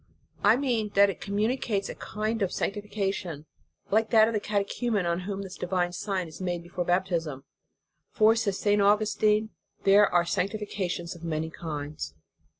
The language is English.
I mean that it communicates a kind of sanctifi cation, like that of the catechumen on whom this divine sign is made before baptism: "For," says St. Augustin, "there are sanctifi cations of many kinds."